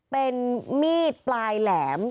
เป็นมีดปลายแหลม